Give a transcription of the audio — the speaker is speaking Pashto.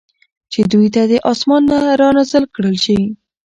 چې دوی ته د آسمان نه را نازل کړل شي